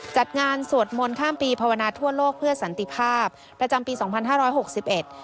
จัดงานสวดมนต์ข้ามปีภาวนาทั่วโลกเพื่อสันติภาพประจำปีสองพันห้าร้อยหกสิบเอ็ด